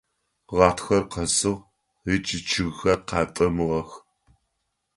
Гъатхэр къэсыгъ, ыкӏи чъыгхэр къэтӏэмыгъэх.